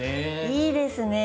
いいですね。